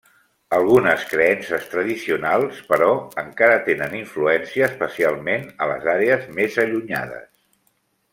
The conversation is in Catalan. Algunes creences tradicionals, però, encara tenen influència, especialment a les àrees més allunyades.